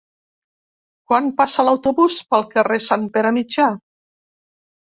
Quan passa l'autobús pel carrer Sant Pere Mitjà?